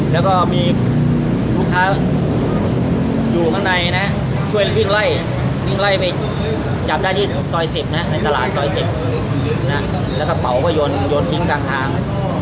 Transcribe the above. แล้วก็มีลูกค้าอยู่ข้างในช่วยวิ่งไล่วิ่งไล่ไปจับด้านนี้ตร๑๐แล้วก็เผาไปยนต์ทิ้งกลางทาง